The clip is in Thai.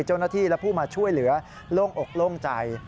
เจ้าหน้าที่และผู้มาช่วยเหลือโล่งอกโล่งใจ